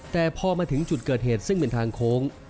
แต่พอมาถึงจุดเกิดเหตุซึ่งเป็นทางโค้ง